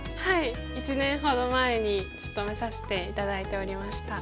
１年ほど前に務めさせて頂いておりました。